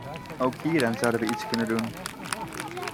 Ook hieraan zouden wij iets kunnen doen.